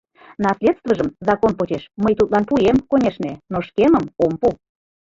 Наследствыжым закон почеш мый тудлан пуэм, конешне, но шкемым ом пу.